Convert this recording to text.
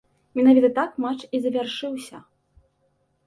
Менавіта так матч і завяршыўся.